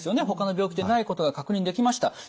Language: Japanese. ほかの病気でないことが確認できました。